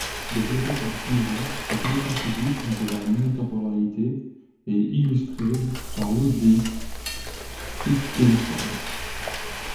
Développée par Spinoza, cette métaphysique de la non-temporalité est illustrée par Ludwig Wittgenstein.